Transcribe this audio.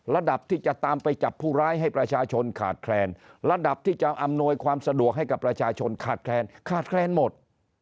ระดับที่จะตามไปจับผู้ร้ายให้ประชาชนขาดแคลนระดับที่จะอำนวยความสะดวกให้กับประชาชนขาดแคลนขาดแคลนหมด